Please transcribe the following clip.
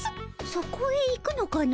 そこへ行くのかの？